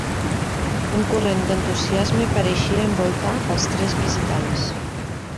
Un corrent d'entusiasme pareixia envoltar els tres visitants.